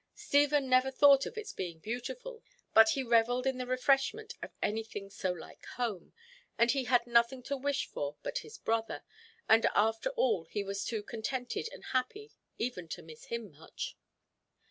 Stephen never thought of its being beautiful, but he revelled in the refreshment of anything so like home, and he had nothing to wish for but his brother, and after all he was too contented and happy even to miss him much.